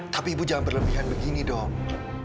tapi ibu jangan berlebihan begini dong